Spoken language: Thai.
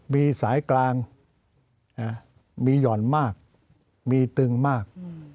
มีสายกลางมีหย่อนมากมีตึงมาก